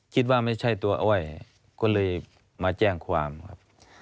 คิดว่าไม่ใช่ตัวอ้อยก็เลยมาแจ้งความครับ